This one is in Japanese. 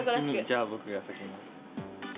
じゃあ僕が先に。